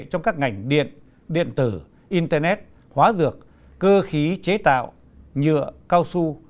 trong các ngành điện điện tử internet hóa dược cơ khí chế tạo nhựa cao su